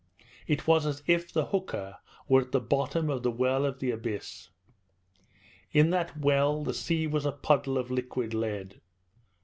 It was as if the hooker were at the bottom of the well of the abyss. In that well the sea was a puddle of liquid lead.